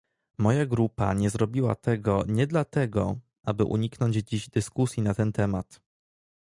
Moja grupa nie zrobiła tego nie dlatego, aby uniknąć dziś dyskusji na ten temat